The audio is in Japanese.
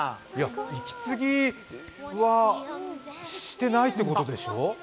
息継ぎはしてないってことでしょう？